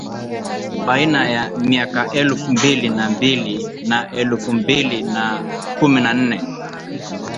Baina ya miaka elfu mbili na mbili na elfu mbili na kumi na nne